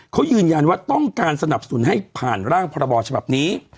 เขายืนยันว่าต้องการสนับสนุนให้ผ่านร่างพรบฉบับนี้